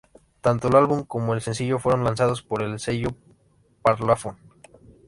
Tanto el álbum como el sencillo fueron lanzados por el sello Parlophone.